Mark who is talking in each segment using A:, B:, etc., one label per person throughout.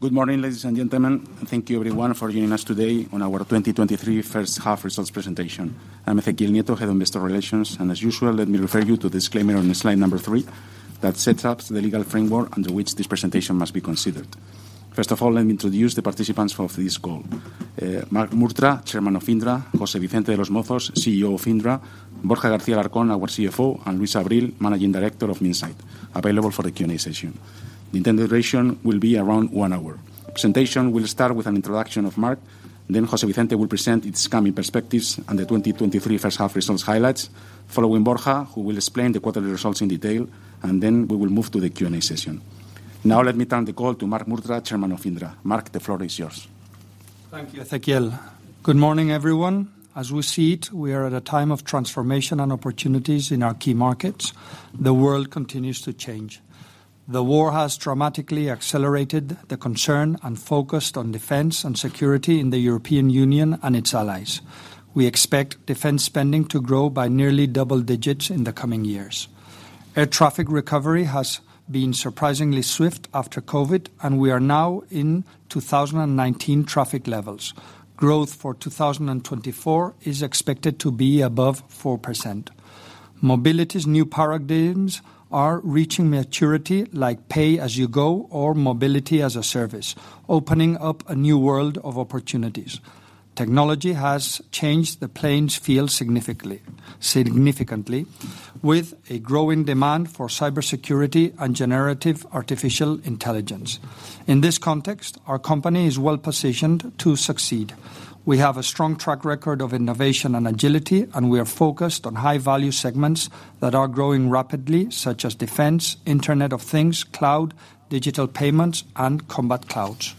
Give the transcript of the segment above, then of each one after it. A: Good morning, ladies and gentlemen, thank you everyone for joining us today on our 2023 H1 results presentation. I'm Ezequiel Nieto, Head of Investor Relations, and as usual, let me refer you to disclaimer on slide number 3 that sets up the legal framework under which this presentation must be considered. First of all, let me introduce the participants of this call. Marc Murtra, Chairman of Indra, José Vicente de los Mozos, CEO of Indra, Borja García-Alarcón, our CFO, and Luis Abril, Managing Director of Minsait, available for the Q&A session. The presentation will be around 1 hour. Presentation will start with an introduction of Marc, then José Vicente will present its coming perspectives and the 2023 H1 results highlights, following Borja, who will explain the quarterly results in detail, and then we will move to the Q&A session. Let me turn the call to Marc Murtra, chairman of Indra. Marc, the floor is yours.
B: Thank you, Ezequiel. Good morning, everyone. As we see it, we are at a time of transformation and opportunities in our key markets. The world continues to change. The war has dramatically accelerated the concern and focus on defense and security in the European Union and its allies. We expect defense spending to grow by nearly double digits in the coming years. Air traffic recovery has been surprisingly swift after COVID. We are now in 2019 traffic levels. Growth for 2024 is expected to be above 4%. Mobility's new paradigms are reaching maturity, like pay-as-you-go or mobility-as-a-service, opening up a new world of opportunities. Technology has changed the playing field significantly, with a growing demand for cybersecurity and generative artificial intelligence. In this context, our company is well positioned to succeed. We have a strong track record of innovation and agility, and we are focused on high-value segments that are growing rapidly, such as defense, Internet of Things, cloud, digital payments, and Combat Clouds.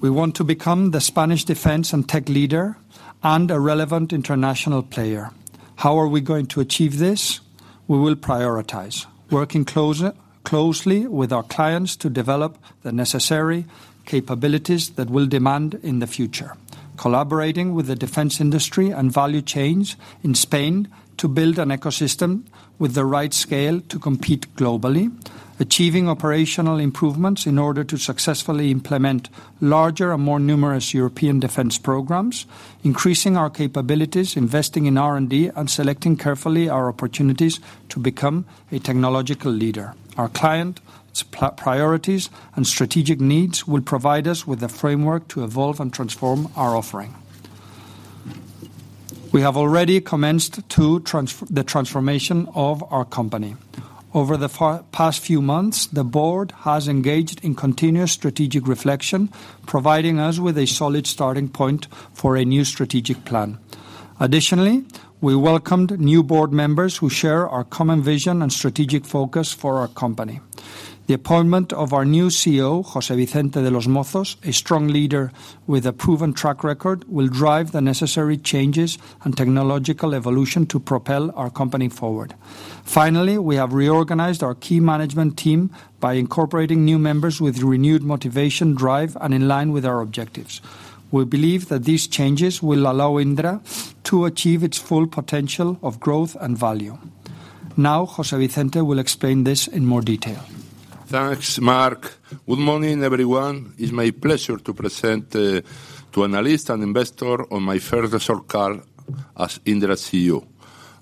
B: We want to become the Spanish defense and tech leader and a relevant international player. How are we going to achieve this? We will prioritize: working closely with our clients to develop the necessary capabilities that we'll demand in the future, collaborating with the defense industry and value chains in Spain to build an ecosystem with the right scale to compete globally, achieving operational improvements in order to successfully implement larger and more numerous European defense programs, increasing our capabilities, investing in R&D, and selecting carefully our opportunities to become a technological leader. Our client's priorities and strategic needs will provide us with a framework to evolve and transform our offering. We have already commenced the transformation of our company. Over the past few months, the board has engaged in continuous strategic reflection, providing us with a solid starting point for a new strategic plan. Additionally, we welcomed new board members who share our common vision and strategic focus for our company. The appointment of our new CEO, José Vicente de los Mozos, a strong leader with a proven track record, will drive the necessary changes and technological evolution to propel our company forward. Finally, we have reorganized our key management team by incorporating new members with renewed motivation, drive, and in line with our objectives. We believe that these changes will allow Indra to achieve its full potential of growth and value. Now, José Vicente will explain this in more detail.
C: Thanks, Marc. Good morning, everyone. It's my pleasure to present to analyst and investor on my first results call as Indra CEO.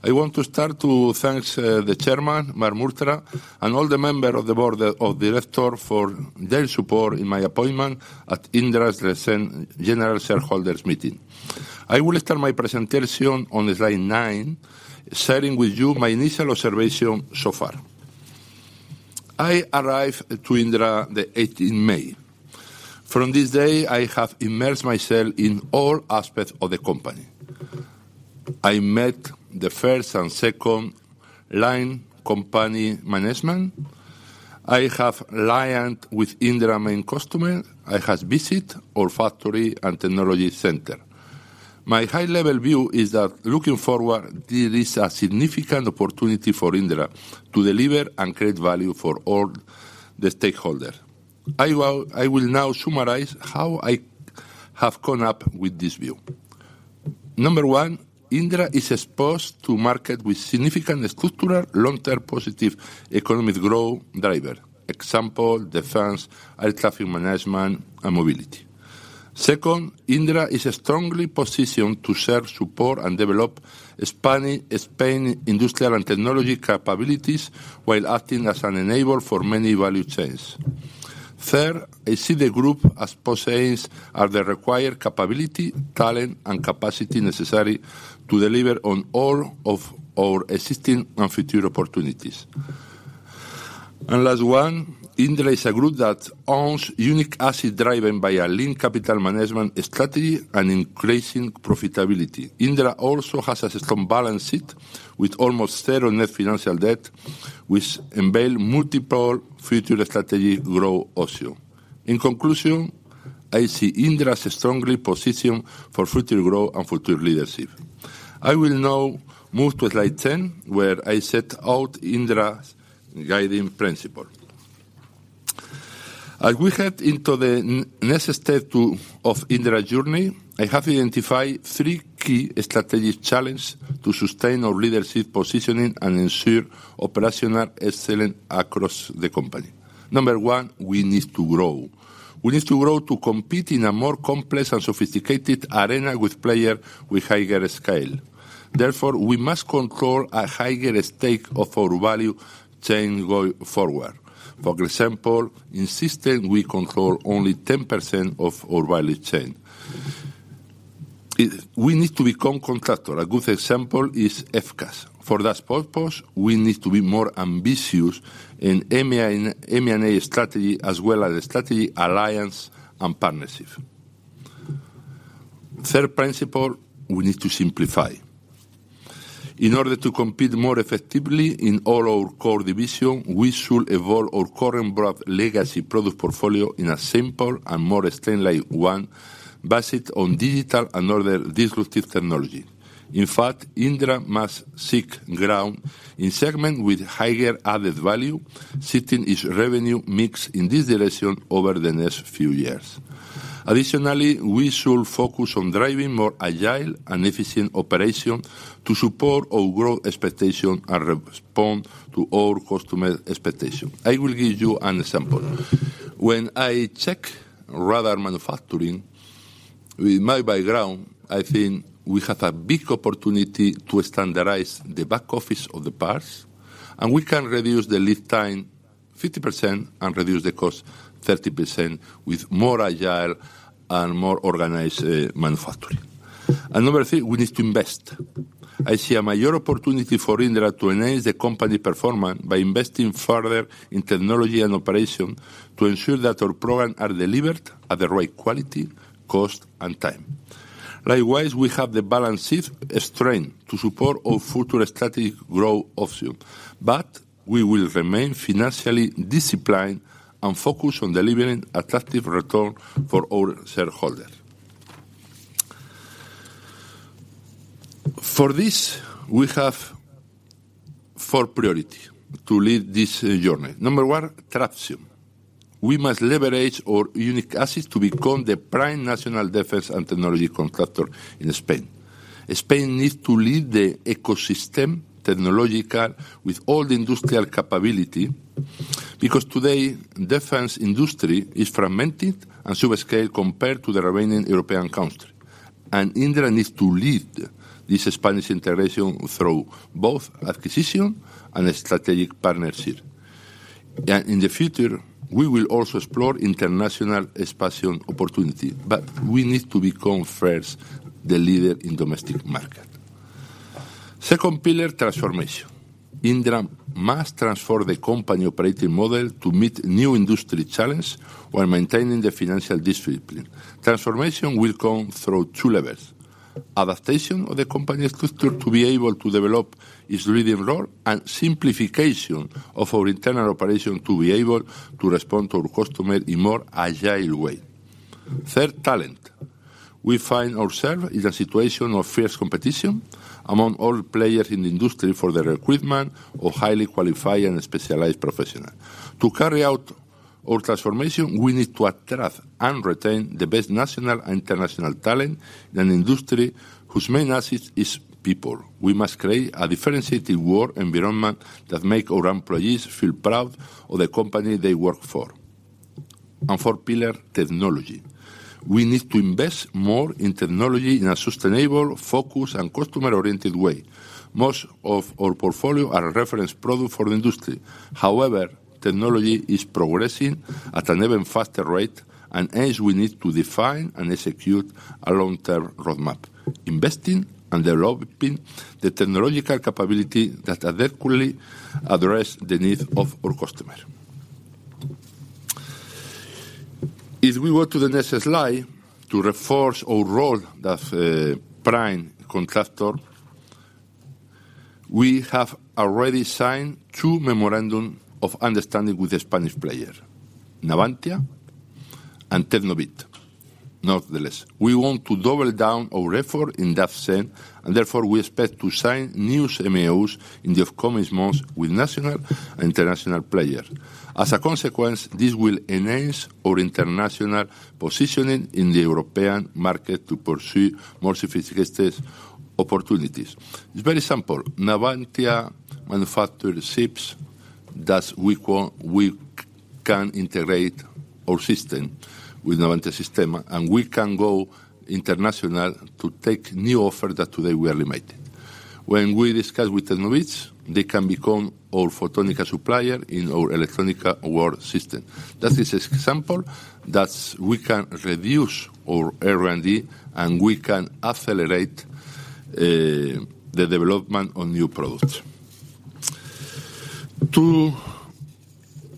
C: I want to start to thanks the Chairman, Marc Murtra, and all the member of the board of director for their support in my appointment at Indra's recent general shareholders meeting. I will start my presentation on slide nine, sharing with you my initial observation so far. I arrived to Indra the 18th May. From this day, I have immersed myself in all aspects of the company. I met the first and second line company management. I have liaised with Indra main customer. I have visit all factory and technology center. My high-level view is that, looking forward, there is a significant opportunity for Indra to deliver and create value for all the stakeholder. I will now summarize how I have come up with this view. Number one, Indra is exposed to market with significant structural, long-term, positive economic growth driver, example, defense, air traffic management, and mobility. Second, Indra is strongly positioned to serve, support, and develop Spain industrial and technology capabilities, while acting as an enabler for many value chains. Third, I see the group possesses the the required capability, talent, and capacity necessary to deliver on all of our existing and future opportunities. Last one, Indra is a group that owns unique asset driven by a lean capital management strategy and increasing profitability. Indra also has a strong balance sheet with almost zero net financial debt, which unveil multiple future strategic growth option. In conclusion, I see Indra is strongly positioned for future growth and future leadership. I will now move to slide 10, where I set out Indra's guiding principle. As we head into the next step of Indra journey, I have identified three key strategic challenge to sustain our leadership positioning and ensure operational excellence across the company. Number one, we need to grow. We need to grow to compete in a more complex and sophisticated arena with player with higher scale. Therefore, we must control a higher stake of our value chain going forward. For example, in system, we control only 10% of our value chain. We need to become contractor. A good example is FCAS. For that purpose, we need to be more ambitious in M&A strategy, as well as strategy, alliance, and partnership. Third principle, we need to simplify. In order to compete more effectively in all our core division, we should evolve our current broad legacy product portfolio in a simple and more streamlined one, based on digital and other disruptive technology. In fact, Indra must seek ground in segment with higher added value, shifting its revenue mix in this direction over the next few years. Additionally, we should focus on driving more agile and efficient operation to support our growth expectation and respond to all customer expectation. I will give you an example. When I check radar manufacturing, with my background, I think we have a big opportunity to standardize the back office of the parts, and we can reduce the lead time 50% and reduce the cost 30% with more agile and more organized manufacturing. Number three, we need to invest. I see a major opportunity for Indra to enhance the company performance by investing further in technology and operation, to ensure that our programs are delivered at the right quality, cost, and time. Likewise, we have the balance sheet strength to support our future strategic growth option, but we will remain financially disciplined and focused on delivering attractive return for our shareholders. For this, we have four priority to lead this journey. Number one, traction. We must leverage our unique assets to become the prime national defense and technology contractor in Spain. Spain needs to lead the ecosystem, technological, with all the industrial capability, because today, defense industry is fragmented and subscale compared to the remaining European country. Indra needs to lead this Spanish integration through both acquisition and strategic partnership. In the future, we will also explore international expansion opportunity, but we need to become first, the leader in domestic market. Second pillar, transformation. Indra must transform the company operating model to meet new industry challenge, while maintaining the financial discipline. Transformation will come through two levels: adaptation of the company's structure to be able to develop its leading role, and simplification of our internal operation to be able to respond to our customer in more agile way. Third, talent. We find ourselves in a situation of fierce competition among all players in the industry for the recruitment of highly qualified and specialized professional. To carry out our transformation, we need to attract and retain the best national and international talent in an industry whose main asset is people. We must create a differentiated work environment that make our employees feel proud of the company they work for. Fourth pillar, technology. We need to invest more in technology in a sustainable, focused, and customer-oriented way. Most of our portfolio are a reference product for the industry. However, technology is progressing at an even faster rate, and hence we need to define and execute a long-term roadmap, investing and developing the technological capability that adequately address the needs of our customer. If we go to the next slide, to reinforce our role as a prime contractor, we have already signed 2 memorandum of understanding with the Spanish player, Navantia and Tecnobit. Nonetheless, we want to double down our effort in that sense, and therefore, we expect to sign new MOUs in the coming months with national and international players. As a consequence, this will enhance our international positioning in the European market to pursue more sophisticated opportunities. It's very simple. Navantia manufacture ships, thus we can integrate our system with Navantia system, and we can go international to take new offer that today we are limited. When we discuss with Tecnobit, they can become our photonics supplier in our Electronic Warfare System. That is an example, that we can reduce our R&D, and we can accelerate the development on new products.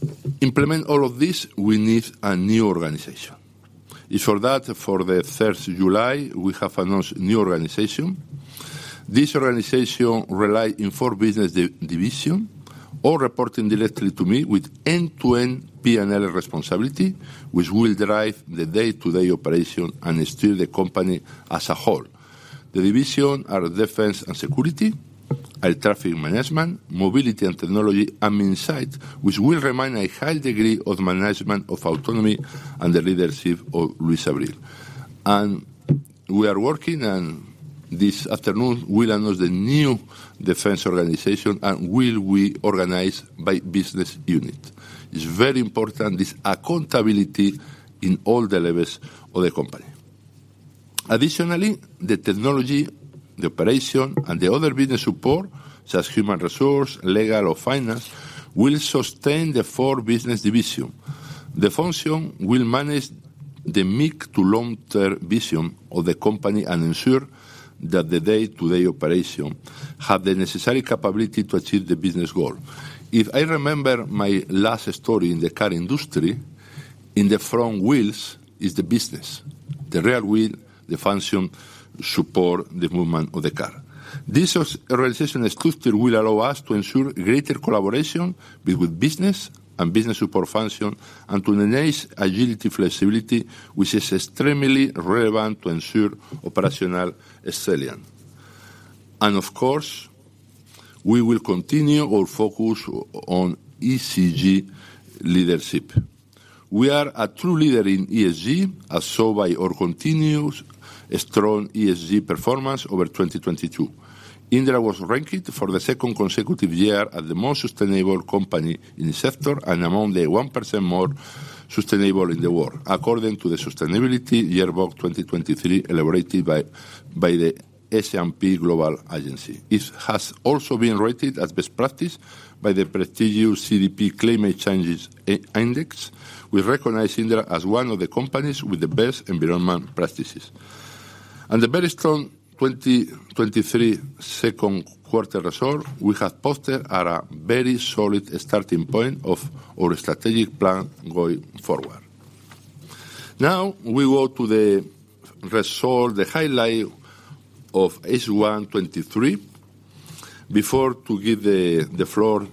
C: To implement all of this, we need a new organization. For that, for the first July, we have announced new organization. This organization rely in four business division, all reporting directly to me with end-to-end P&L responsibility, which will drive the day-to-day operation and steer the company as a whole. The division are Defence & Security, Air Traffic Management, Mobility and Technology, and Minsait, which will remain a high degree of management, of autonomy, and the leadership of Luis Abril. We are working, and this afternoon, we'll announce the new defense organization, and will we organize by business unit. It's very important, this accountability in all the levels of the company. Additionally, the technology, the operation, and the other business support, such as human resource, legal, or finance, will sustain the four business division. The function will manage the mid to long-term vision of the company and ensure that the day-to-day operation have the necessary capability to achieve the business goal. If I remember my last story in the car industry, in the front wheels is the business. The rear wheel, the function, support the movement of the car. This organization structure will allow us to ensure greater collaboration between business and business support function, and to enhance agility, flexibility, which is extremely relevant to ensure operational excellence. Of course, we will continue our focus on ESG leadership. We are a true leader in ESG, as shown by our continuous strong ESG performance over 2022. Indra was ranked for the second consecutive year as the most sustainable company in the sector, and among the 1% more sustainable in the world, according to The Sustainability Yearbook 2023, elaborated by the S&P Global agency. It has also been rated as best practice by the prestigious CDP Climate Change Index, with recognizing Indra as one of the companies with the best environment practices. The very strong 2023 Q2 result, we have posted at a very solid starting point of our strategic plan going forward. We go to the result, the highlight of H1 2023. Before to give the floor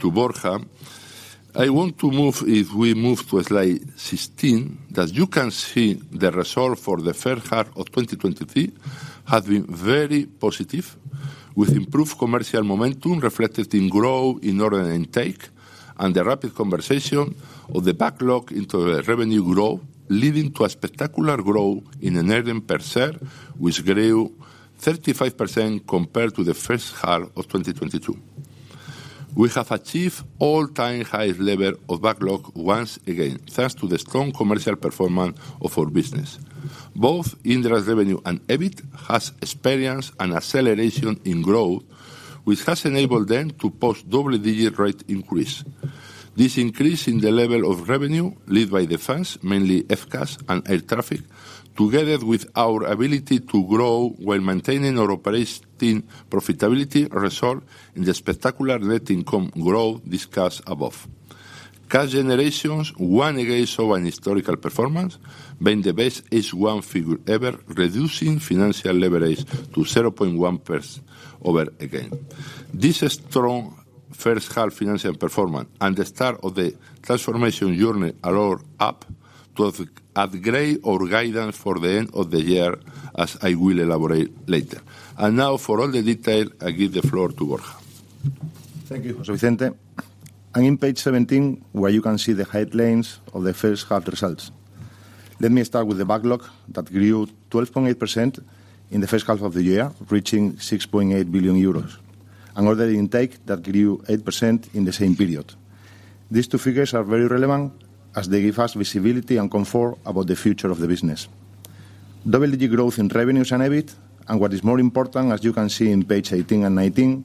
C: to Borja, I want to move, if we move to slide 16, that you can see the result for the H1 of 2023 has been very positive, with improved commercial momentum reflected in growth in order intake, and the rapid conversion of the backlog into the revenue growth, leading to a spectacular growth in the net income, which grew 35% compared to the H1 of 2022. We have achieved all-time highest level of backlog once again, thanks to the strong commercial performance of our business. Both Indra's revenue and EBIT has experienced an acceleration in growth, which has enabled them to post double-digit rate increase. This increase in the level of revenue, led by Defense, mainly FCAS and air traffic, together with our ability to grow while maintaining our operating profitability, result in the spectacular net income growth discussed above. Cash generations, once again show an historical performance, being the best H1 figure ever, reducing financial leverage to 0.1% over again. This strong H1 financial performance and the start of the transformation journey allow up to up- upgrade our guidance for the end of the year, as I will elaborate later. Now, for all the detail, I give the floor to Borja.
D: Thank you, José Vicente. I'm in page 17, where you can see the headlines of the H1 results. Let me start with the backlog that grew 12.8% in the H1 of the year, reaching 6.8 billion euros, and order intake that grew 8% in the same period. These two figures are very relevant, as they give us visibility and comfort about the future of the business. Double-digit growth in revenues and EBIT. What is more important, as you can see in page 18 and 19,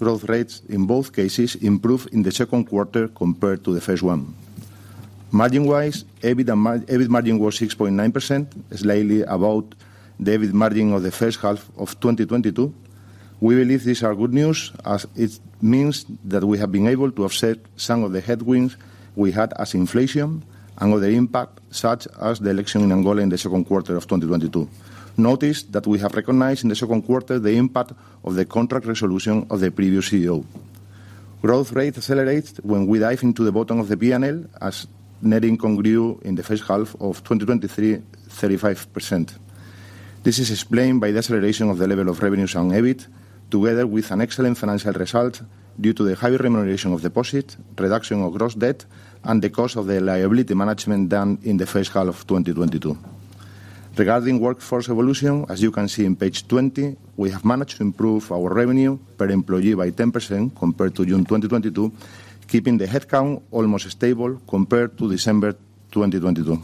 D: growth rates, in both cases, improved in the Q2 compared to the first one. Margin-wise, EBIT and EBIT margin was 6.9%, slightly above the EBIT margin of the H1 of 2022. We believe these are good news, as it means that we have been able to offset some of the headwinds we had as inflation and other impact, such as the election in Angola in the Q2 of 2022. Notice that we have recognized in the Q2 the impact of the contract resolution of the previous CEO. Growth rate accelerates when we dive into the bottom of the P&L, as net income grew in the H1 of 2023, 35%. This is explained by the acceleration of the level of revenues and EBIT, together with an excellent financial result due to the high remuneration of deposit, reduction of gross debt, and the cost of the liability management done in the H1 of 2022. Regarding workforce evolution, as you can see on page 20, we have managed to improve our revenue per employee by 10% compared to June 2022, keeping the headcount almost stable compared to December 2022.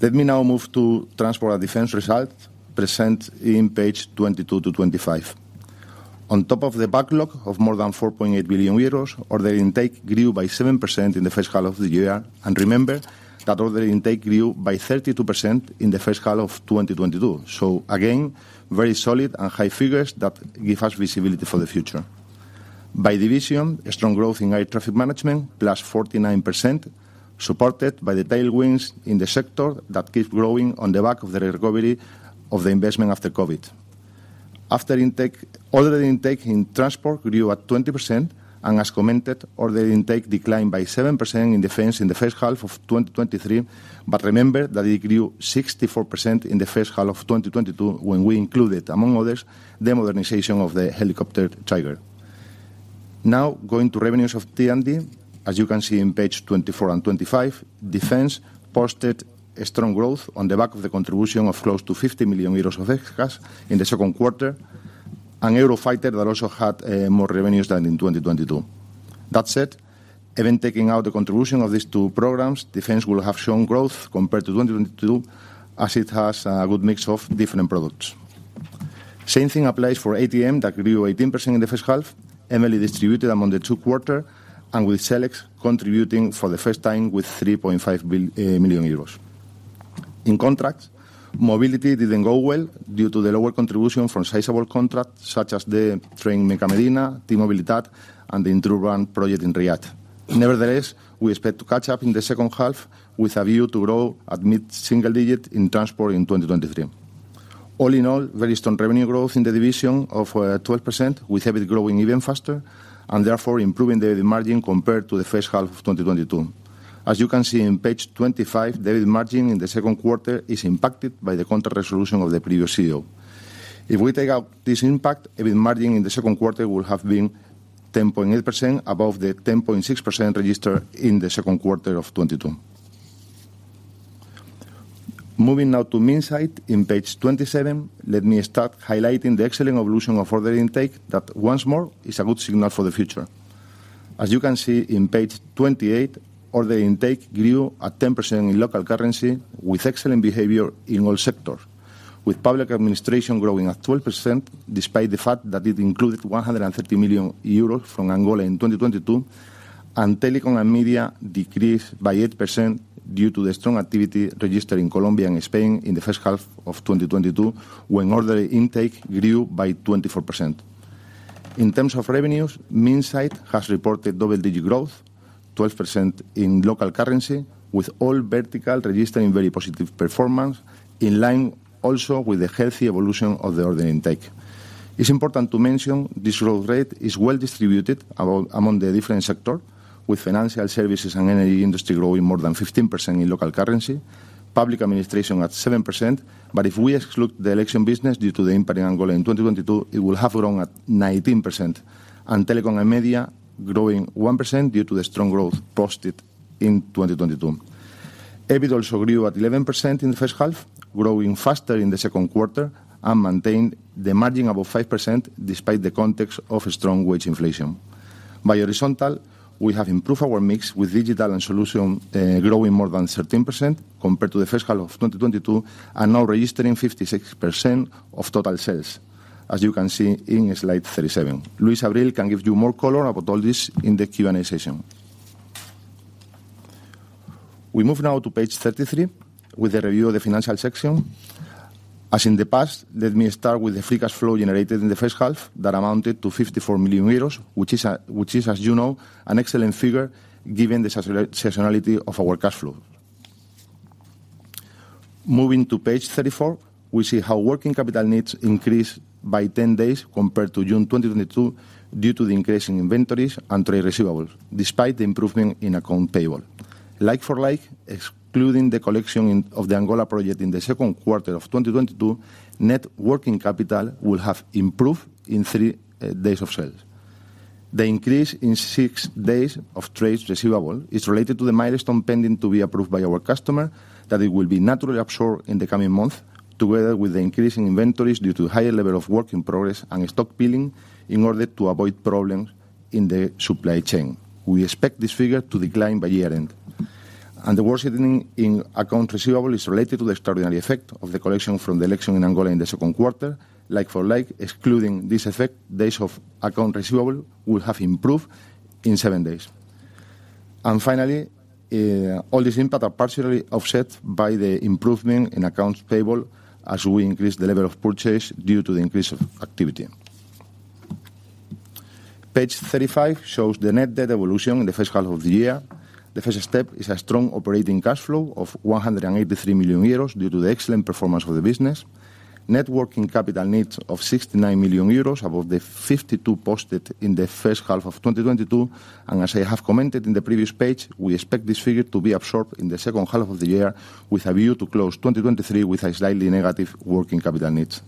D: Let me now move to Transport and Defense results, present in page 22 to 25. On top of the backlog of more than 4.8 billion euros, order intake grew by 7% in the H1 of the year. Remember that order intake grew by 32% in the H1 of 2022. Again, very solid and high figures that give us visibility for the future. By division, strong growth in air traffic management, +49%, supported by the tailwinds in the sector that keeps growing on the back of the recovery of the investment after COVID. After intake, order intake in transport grew at 20%. As commented, order intake declined by 7% in Defence in the H1 of 2023. Remember that it grew 64% in the H1 of 2022, when we included, among others, the modernization of the helicopter Tiger. Going to revenues of D&D, as you can see in page 24 and 25, Defence posted a strong growth on the back of the contribution of close to 50 million euros of excess in the Q2, and Eurofighter that also had more revenues than in 2022. That said, even taking out the contribution of these two programs, Defence will have shown growth compared to 2022, as it has a good mix of different products. Same thing applies for ATM, that grew 18% in the H1, evenly distributed among the two quarter, and with Selex contributing for the first time with 3.5 million euros. In contracts, mobility didn't go well due to the lower contribution from sizable contracts, such as the train Mecca-Medina, T-mobilitat, and the inter-urban project in Riyadh. Nevertheless, we expect to catch up in the H2, with a view to grow at mid-single digit in transport in 2023. All in all, very strong revenue growth in the division of 12%, with EBITDA growing even faster, and therefore improving the margin compared to the H1 of 2022. As you can see in page 25, the margin in the Q2 is impacted by the contract resolution of the previous CEO. If we take out this impact, EBITDA margin in the Q2 would have been 10.8% above the 10.6% registered in the Q2 of 2022. Moving now to Minsait in page 27, let me start highlighting the excellent evolution of order intake, that once more, is a good signal for the future. As you can see in page 28, order intake grew at 10% in local currency, with excellent behavior in all sectors, with public administration growing at 12%, despite the fact that it included €130 million from Angola in 2022. Telecom and media decreased by 8% due to the strong activity registered in Colombia and Spain in the H1 of 2022, when order intake grew by 24%. In terms of revenues, Minsait has reported double-digit growth, 12% in local currency, with all vertical registering very positive performance, in line also with the healthy evolution of the order intake. It's important to mention, this growth rate is well distributed among the different sector, with financial services and energy industry growing more than 15% in local currency, public administration at 7%. If we exclude the election business due to the impact in Angola in 2022, it will have grown at 19%, and telecom and media growing 1% due to the strong growth posted in 2022. EBITDA also grew at 11% in the H1, growing faster in the Q2, and maintained the margin above 5%, despite the context of a strong wage inflation. By horizontal, we have improved our mix with digital and solution, growing more than 13% compared to the H1 of 2022, and now registering 56% of total sales, as you can see in slide 37. Luis Abril can give you more color about all this in the Q&A session. We move now to page 33, with a review of the financial section. As in the past, let me start with the free cash flow generated in the H1, that amounted to 54 million euros, which is, as you know, an excellent figure, given the seasonality of our cash flow. Moving to page 34, we see how working capital needs increased by 10 days compared to June 2022, due to the increase in inventories and trade receivables, despite the improvement in account payable. Like for like, excluding the collection of the Angola project in the Q2 of 2022, net working capital will have improved in three days of sales. The increase in six days of trades receivable is related to the milestone pending to be approved by our customer, that it will be naturally absorbed in the coming month, together with the increase in inventories due to higher level of work in progress and stock building, in order to avoid problems in the supply chain. We expect this figure to decline by year-end. The worsening in accounts receivable is related to the extraordinary effect of the collection from the election in Angola in the Q2. Like for like, excluding this effect, days of account receivable will have improved in seven days. Finally, all these impact are partially offset by the improvement in accounts payable, as we increase the level of purchase due to the increase of activity. Page 35 shows the net debt evolution in the H1 of the year. The first step is a strong operating cash flow of 183 million euros, due to the excellent performance of the business. Net working capital needs of 69 million euros, above the 52 posted in the H1 of 2022, and as I have commented in the previous page, we expect this figure to be absorbed in the H2 of the year, with a view to close 2023 with a slightly negative working capital needs.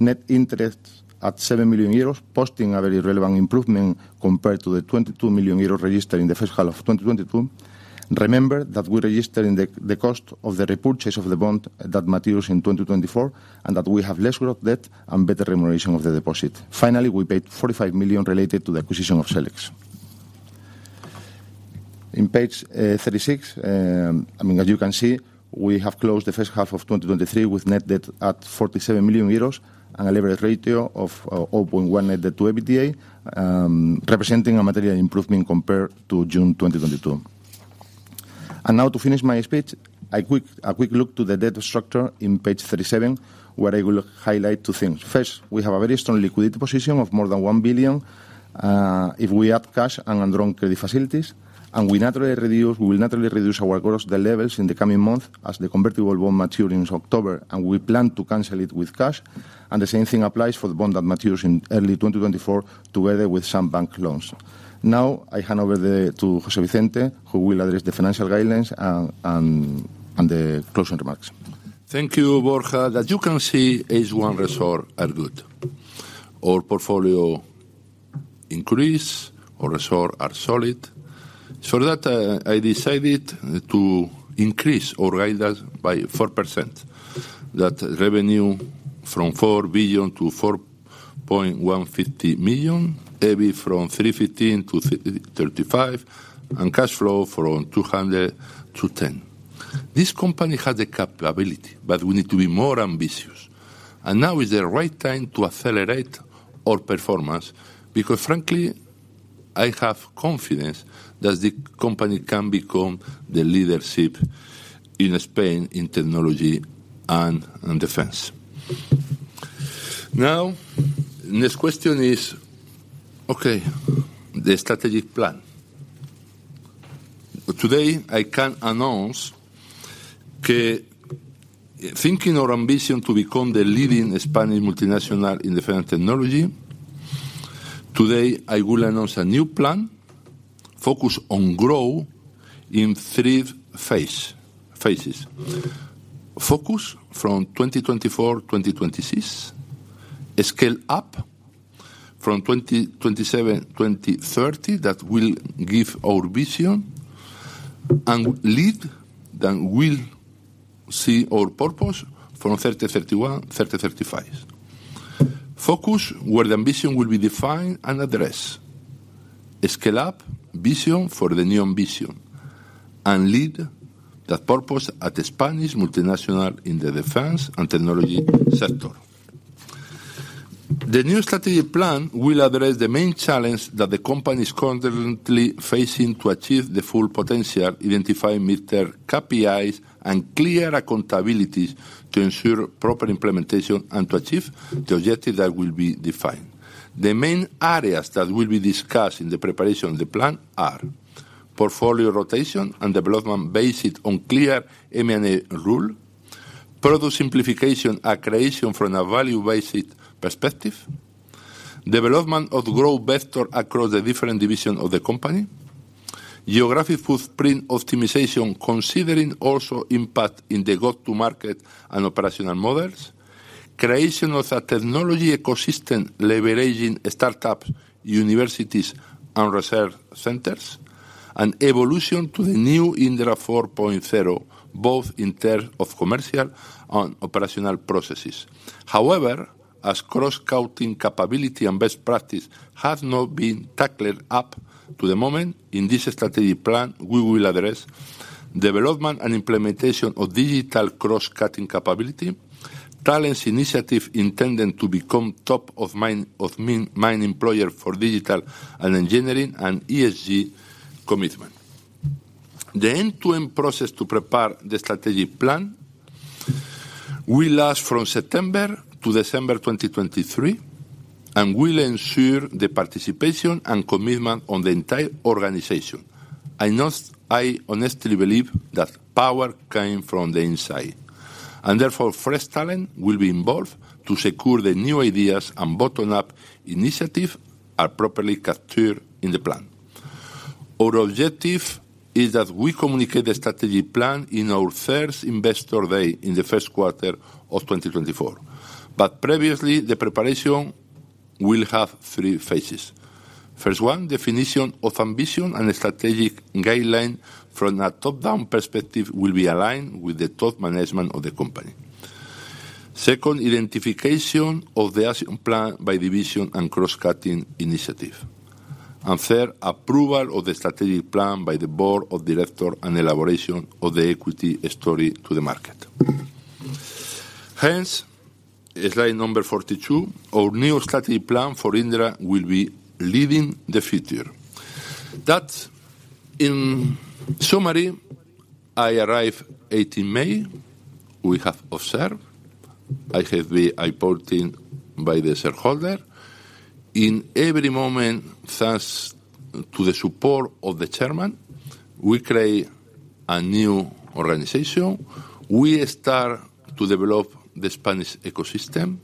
D: Net interest at 7 million euros, posting a very relevant improvement compared to the 22 million euros registered in the H1 of 2022. Remember, that we're registering the cost of the repurchase of the bond that matures in 2024, and that we have less gross debt and better remuneration of the deposit. Finally, we paid 45 million related to the acquisition of Selex. In page 36, I mean, as you can see, we have closed the H1 of 2023 with net debt at €47 million, and a leverage ratio of 0.1 net debt to EBITDA, representing a material improvement compared to June 2022. Now, to finish my speech, a quick look to the debt structure in page 37, where I will highlight two things. First, we have a very strong liquidity position of more than 1 billion, if we add cash and undrawn credit facilities, and we will naturally reduce our gross debt levels in the coming month, as the convertible bond matures in October, and we plan to cancel it with cash. The same thing applies for the bond that matures in early 2024, together with some bank loans. Now, I hand over to José Vicente de los Mozos, who will address the financial guidelines and the closing remarks.
C: Thank you, Borja. As you can see, H1 results are good. Our portfolio increase, our results are solid. I decided to increase our guidance by 4%. That revenue from 4 billion to 4.150 million, EBIT from 315 to 335, and cash flow from 200 to 10. This company has the capability, but we need to be more ambitious, and now is the right time to accelerate our performance, because frankly, I have confidence that the company can become the leadership in Spain in technology and defense. Next question is, okay, the strategic plan. Today, I can announce, thinking our ambition to become the leading Spanish multinational in defense technology, today I will announce a new plan focused on growth in three phases: focus from 2024-2026; scale up from 2027-2030, that will give our vision; and lead, that will see our purpose from 2031-2035. Focus, where the ambition will be defined and addressed. Scale up, vision for the new ambition, and lead, the purpose at the Spanish multinational in the defense and technology sector. The new strategic plan will address the main challenge that the company is currently facing to achieve the full potential, identifying with their KPIs and clear accountabilities to ensure proper implementation and to achieve the objective that will be defined. The main areas that will be discussed in the preparation of the plan are: portfolio rotation and development based on clear M&A rule, product simplification and creation from a value-based perspective, development of growth vector across the different division of the company, geographic footprint optimization, considering also impact in the go-to-market and operational models, creation of a technology ecosystem, leveraging startups, universities, and research centers, and evolution to the new Indra 4.0, both in terms of commercial and operational processes. However, as cross-cutting capability and best practice have not been tackled up to the moment, in this strategic plan, we will address development and implementation of digital cross-cutting capability, talents initiative intended to become top of mind employer for digital and engineering, and ESG commitment. The end-to-end process to prepare the strategic plan will last from September to December 2023, and will ensure the participation and commitment on the entire organization. I know I honestly believe that power came from the inside, and therefore, fresh talent will be involved to secure the new ideas and bottom-up initiative are properly captured in the plan. Our objective is that we communicate the strategic plan in our 1st Investor Day, in the 1st quarter of 2024. Previously, the preparation will have 3 phases. 1st one, definition of ambition and strategic guideline from a top-down perspective will be aligned with the top management of the company. 2nd, identification of the action plan by division and cross-cutting initiative. 3rd, approval of the strategic plan by the board of director and elaboration of the equity story to the market. Slide number 42, our new strategic plan for Indra will be leading the future. In summary, I arrived 18 May. We have observed, I have been appointed by the shareholder. In every moment, thanks to the support of the chairman, we create a new organization. We start to develop the Spanish ecosystem.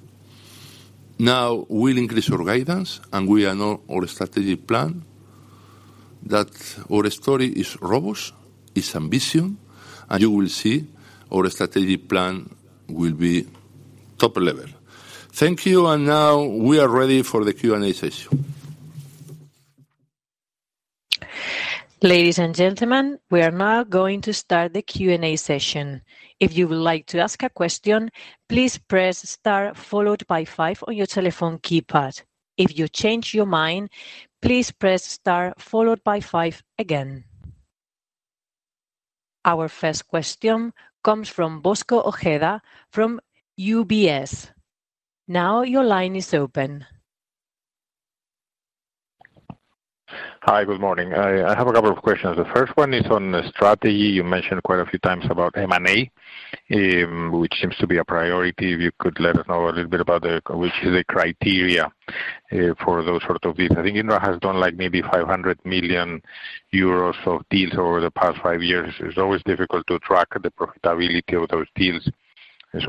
C: We'll increase our guidance, and we announce our strategic plan, that our story is robust, is ambition, and you will see our strategic plan will be top level. Thank you, and now we are ready for the Q&A session.
E: Ladies and gentlemen, we are now going to start the Q&A session. If you would like to ask a question, please press star followed by five on your telephone keypad. If you change your mind, please press star followed by five again. Our first question comes from Bosco Ojeda, from UBS. Now your line is open.
F: Hi, good morning. I have a couple of questions. The first one is on the strategy. You mentioned quite a few times about M&A, which seems to be a priority. If you could let us know a little bit about which is the criteria for those sort of deals. I think Indra has done, like, maybe 500 million euros of deals over the past five years. It's always difficult to track the profitability of those deals.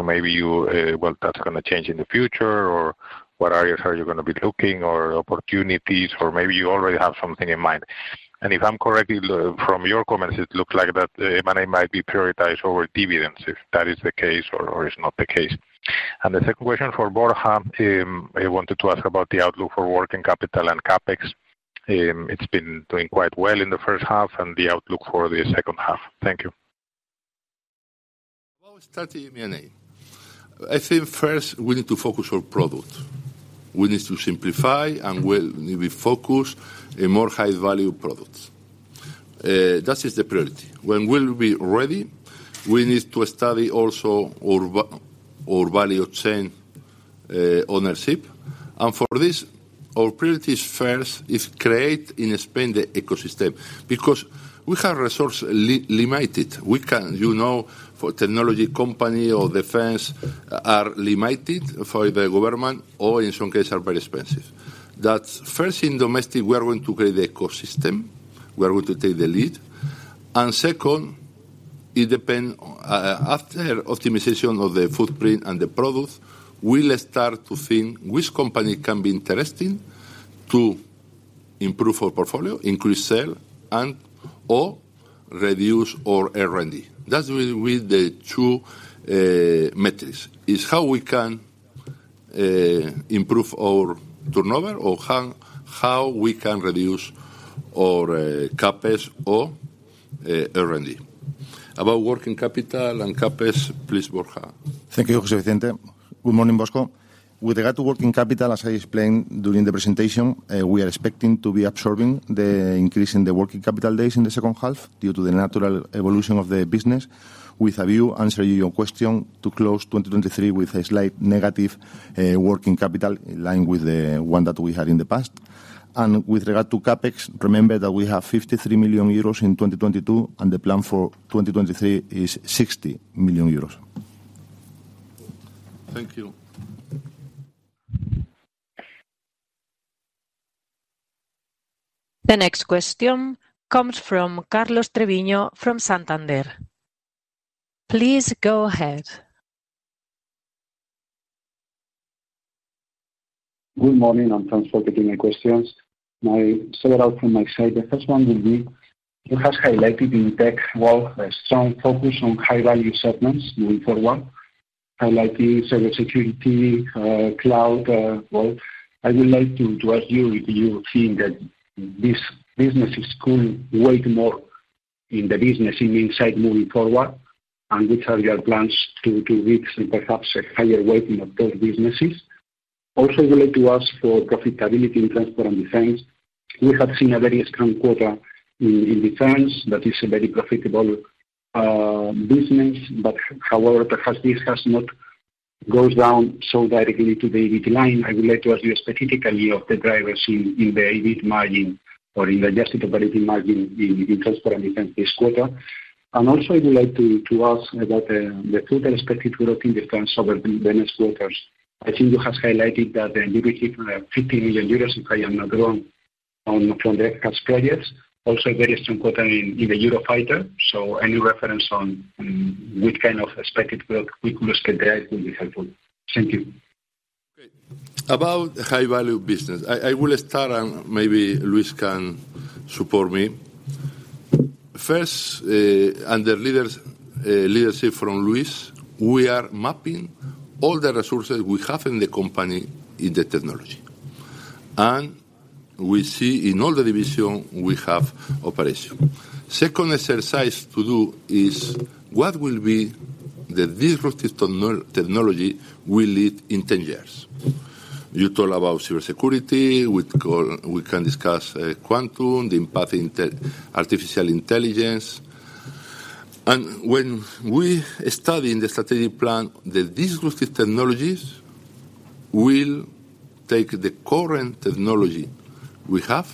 F: Maybe that's gonna change in the future, or what areas are you gonna be looking or opportunities, or maybe you already have something in mind. If I'm correct, from your comments, it looks like that the M&A might be prioritized over dividends, if that is the case or is not the case? The second question for Borja, I wanted to ask about the outlook for working capital and CapEx. It's been doing quite well in the H1, and the outlook for the H2. Thank you.
C: Well, starting M&A. I think first we need to focus on product. We need to simplify, and we'll need to focus in more high-value products. That is the priority. When we'll be ready, we need to study also our value chain ownership. For this, our priority first is create and expand the ecosystem, because we have resources limited. We can, you know, for technology company or defense, are limited for the government, or in some cases are very expensive. That first, in domestic, we are going to create the ecosystem, we are going to take the lead. Second, it depend, after optimization of the footprint and the products, we'll start to think which company can be interesting to improve our portfolio, increase sale, or reduce our R&D. That's with the two metrics, is how we can improve our turnover or how we can reduce our CapEx or R&D. About working capital and CapEx, please, Borja.
D: Thank you, José Vicente. Good morning, Bosco. With regard to working capital, as I explained during the presentation, we are expecting to be absorbing the increase in the working capital days in the H2, due to the natural evolution of the business. With a view, answer your question, to close 2023 with a slight negative working capital, in line with the one that we had in the past. With regard to CapEx, remember that we have 53 million euros in 2022, and the plan for 2023 is 60 million euros.
C: Thank you.
E: The next question comes from Carlos Treviño from Santander. Please go ahead.
G: Good morning. Thanks for taking my questions. My several from my side. The first one will be: you have highlighted in tech world a strong focus on high-value segments moving forward, highlight the cybersecurity, cloud world. I would like to ask you if you think that these businesses could weigh more in the business in Minsait moving forward, and which are your plans to reach and perhaps a higher weighting of those businesses? I would like to ask for profitability in Transport and Defence. We have seen a very strong quarter in Defence. That is a very profitable business. However, perhaps this has not gone down so directly to the EBIT line. I would like to ask you specifically of the drivers in the EBIT margin or in adjusted operating margin in Transport and Defence this quarter. I would like to ask about the total expected work in Defence over the next quarters. I think you have highlighted that the EBIT, 50 million euros, if I am not wrong, from the current projects. Very strong quarter in the Eurofighter. Any reference on which kind of expected work we could expect there would be helpful. Thank you.
C: Great. About high-value business, I will start, and maybe Luis can support me. First, under leadership from Luis, we are mapping all the resources we have in the company in the technology. We see in all the division, we have operation. Second exercise to do is, what will be the disruptive technology will lead in 10 years? You talk about cybersecurity, we can discuss quantum, the impact in tech, artificial intelligence. When we study in the strategic plan, the disruptive technologies will take the current technology we have,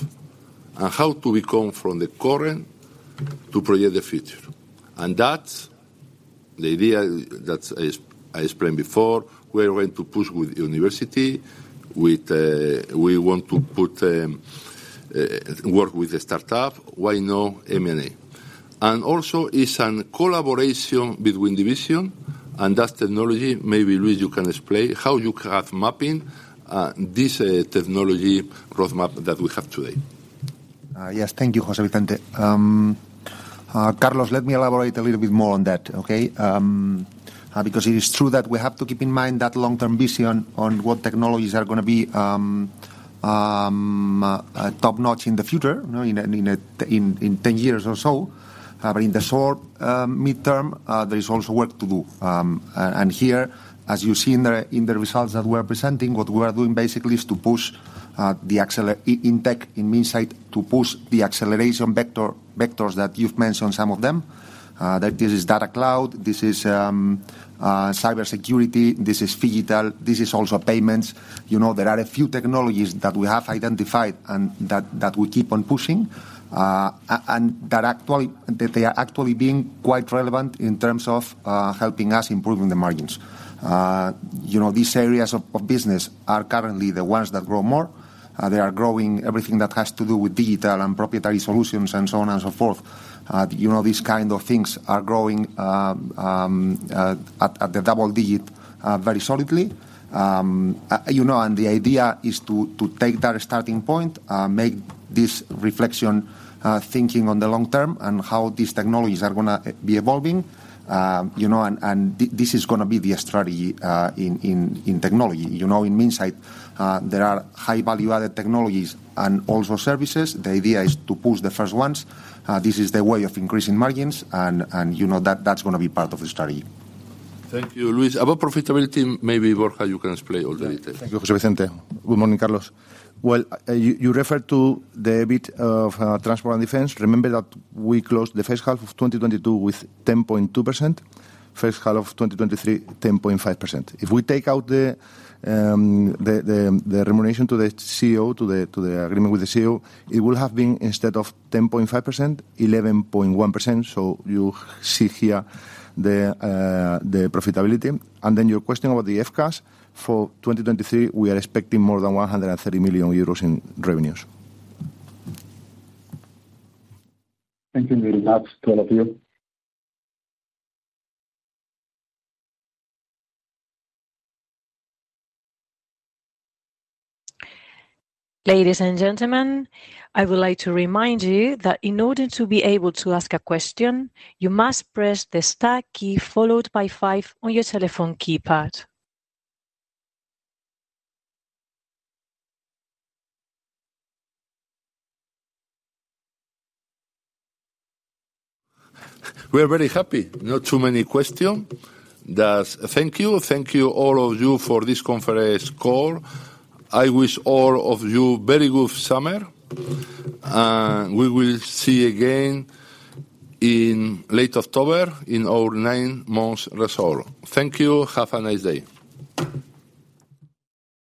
C: and how do we come from the current to project the future? That's the idea that I explained before. We are going to push with university, with... We want to put, work with the startup, why no M&A? Also, it's an collaboration between division and that technology. Maybe, Luis, you can explain how you have mapping, this, technology roadmap that we have today?
H: Yes. Thank you, José Vicente. Carlos, let me elaborate a little bit more on that, okay? Because it is true that we have to keep in mind that long-term vision on what technologies are gonna be top-notch in the future, you know, in 10 years or so. But in the short, mid-term, there is also work to do. And here, as you see in the results that we're presenting, what we are doing basically is to push the acceleration vectors that you've mentioned some of them. That this is data cloud, this is cybersecurity, this is phygital, this is also payments. You know, there are a few technologies that we have identified and that we keep on pushing, and that actually, that they are actually being quite relevant in terms of helping us improving the margins. You know, these areas of business are currently the ones that grow more. They are growing everything that has to do with digital and proprietary solutions, and so on and so forth. You know, these kind of things are growing at the double digit very solidly. You know, the idea is to take that starting point, make this reflection, thinking on the long term and how these technologies are gonna be evolving. You know, this is gonna be the strategy in technology. You know, in Minsait, there are high value-added technologies and also services. The idea is to push the first ones. This is the way of increasing margins, and, you know, that's gonna be part of the strategy.
C: Thank you, Luis. About profitability, maybe Borja, you can explain all the details.
D: Thank you, José Vicente. Good morning, Carlos. Well, you referred to the bit of Transport and Defence. Remember that we closed the H1 of 2022 with 10.2%. H1 of 2023, 10.5%. If we take out the remuneration to the CEO, to the agreement with the CEO, it will have been instead of 10.5%, 11.1%. You see here the profitability. Your question about the FCAS, for 2023, we are expecting more than 130 million euros in revenues.
G: Thank you very much to all of you.
E: Ladies and gentlemen, I would like to remind you that in order to be able to ask a question, you must press the star key, followed by five on your telephone keypad.
C: We're very happy. Not too many questions. Thank you. Thank you, all of you, for this conference call. I wish all of you very good summer, and we will see again in late October in our nine months results. Thank you. Have a nice day.